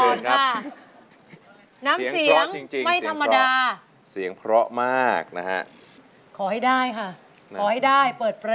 นำเสียงไม่ธรรมดา